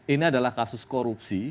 ini adalah kasus korupsi